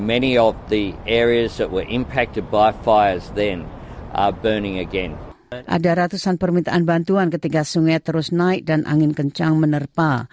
ada ratusan permintaan bantuan ketika sungai terus naik dan angin kencang menerpa